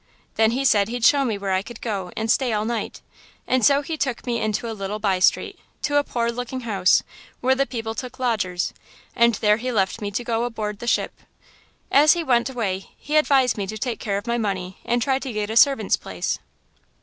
Then he said he'd show me where I could go and stay all night, and so he took me into a little by street, to a poor looking house, where the people took lodgers, and there he left me to go aboard the ship. As he went away he advised me to take care of my money and try to get a servant's place.